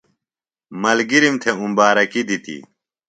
ملگِرِم تھے امبارکی دِتی۔